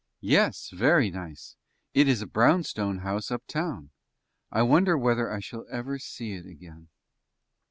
"Yes, very nice. It is a brownstone house uptown. I wonder whether I shall ever see it again?"